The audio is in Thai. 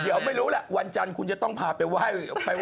เดี๋ยวไม่รู้แหละวันจันทร์คุณจะต้องพาไปไหว้